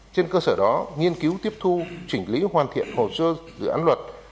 trên cơ sở đó nghiên cứu tiếp thu chỉnh lý hoàn thiện hồ sơ dự án luật